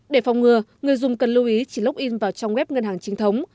để phòng ngừa người dùng cần lưu ý chỉ login vào trong web ngân hàng trinh thống